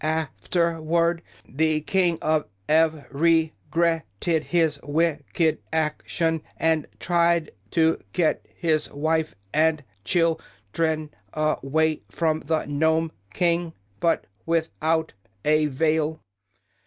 "Af ter ward the King of Ev re gret ted his wick ed ac tion, and tried to get his wife and chil dren a way from the Nome King, but with out a vail.